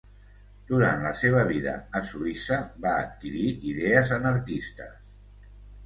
Durant la seva vida a Suïssa, va adquirir idees anarquistes.